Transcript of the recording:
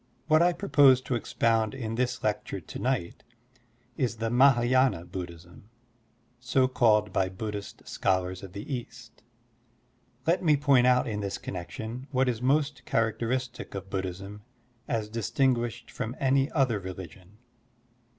What I propose to expound in this lecture to night is the Mah& y^na Buddhism, so called by Buddhist scholars of the East. Let me point out in this connection what is most characteristic of Buddhism as distinguished from any other religion.